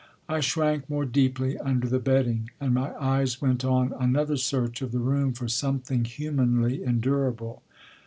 I shrank more deeply under the bedding, and my eyes went on another search of the room for something humanly endura ble.